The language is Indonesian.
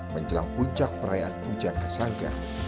menjelang puncak perayaan pujan kasanga